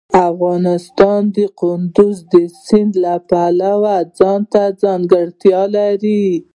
افغانستان د کندز سیند له پلوه ځانته ځانګړتیا لري.